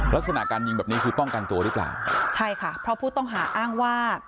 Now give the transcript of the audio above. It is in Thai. ลักษณะการยิงแบบนี้คือป้องกันตัวหรือเปล่าใช่ค่ะเพราะผู้ต้องหาอ้างว่า